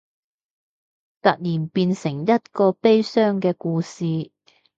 突然變成一個悲傷嘅故事